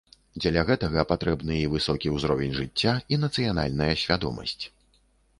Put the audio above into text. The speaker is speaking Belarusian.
Дзеля гэтага патрэбны і высокі ўзровень жыцця, і нацыянальная свядомасць.